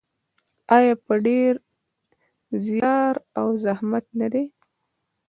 آیا په ډیر زیار او زحمت نه دی؟